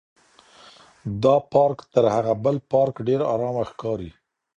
دا پارک تر هغه بل پارک ډېر ارامه ښکاري.